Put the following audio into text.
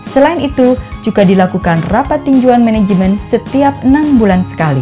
selain itu juga dilakukan rapat tinjuan manajemen setiap enam bulan sekali